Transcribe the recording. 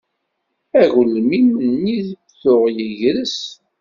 Agelmim-nni tuɣ yegres.